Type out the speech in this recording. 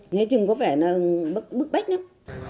nghe chừng có vẻ bức bách lắm